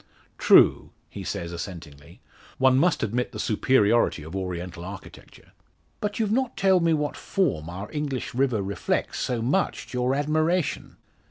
"True," he says, assentingly. "One must admit the superiority of Oriental architecture." "But you've not told me what form our English river reflects, so much to your admiration!"